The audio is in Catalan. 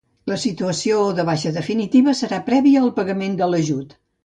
La situació de baixa definitiva serà prèvia al pagament de l'ajut.